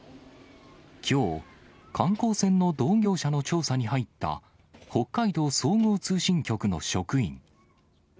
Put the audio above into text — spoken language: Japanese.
きょう、観光船の同業者の調査に入った、北海道総合通信局の職員。